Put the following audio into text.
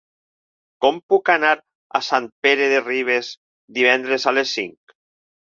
Com puc anar a Sant Pere de Ribes divendres a les cinc?